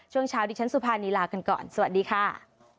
ช่วงเช้าดิฉันสุภานีลากันก่อนสวัสดีค่ะ